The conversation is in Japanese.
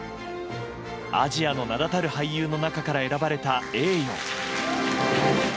アジアの名だたる俳優の中から選ばれた栄誉。